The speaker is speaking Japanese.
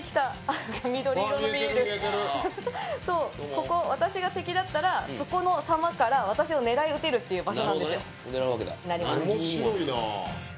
ここ私が敵だったらそこの狭間から私を狙い撃てるっていう場所なんですよ